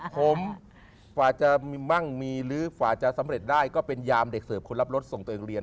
ผมกว่าจะมีมั่งมีหรือกว่าจะสำเร็จได้ก็เป็นยามเด็กเสิร์ฟคนรับรถส่งตัวเองเรียน